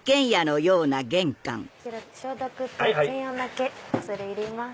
消毒と検温だけ恐れ入ります。